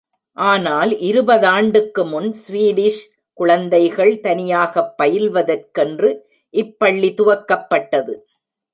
ஆனால் இருபதாண்டுக்கு முன் ஸ்வீடிஷ் குழந்தைகள் தனியாகப் பயில்வதற் கென்று இப்பள்ளி துவக்கப்பட்டது.